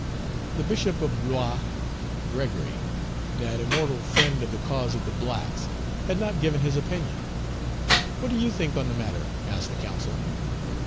The Bishop of Blois, Gregory, that immortal friend of the cause of the blacks, had not given his opinion. "What do you think on the matter?" asked the council.